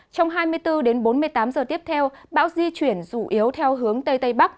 trong hai mươi bốn đến bốn mươi tám giờ tiếp theo bão di chuyển dụ yếu theo hướng tây tây bắc